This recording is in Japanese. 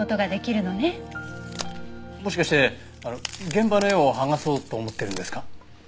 もしかして現場の絵を剥がそうと思ってるんですか？